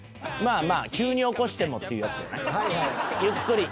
まあまあ急に起こしてもっていうやつやな。